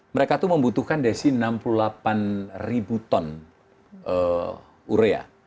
mereka tuh membutuhkan desi enam puluh delapan ribu ton urea